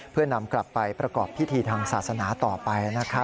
เพื่อนำกลับไปประกอบพิธีทางศาสนาต่อไป